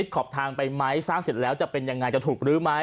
ขอบทางไปไหมสร้างเสร็จแล้วจะเป็นยังไงจะถูกรื้อไหม